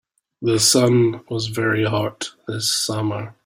The sun was very hot this summer.